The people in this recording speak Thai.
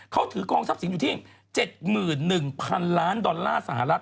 เขาถือกองทรัพย์สินอยู่ที่๗๑๐๐๐ล้านดอลลาร์สหรัฐ